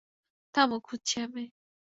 থামো, খুঁজছি আমি।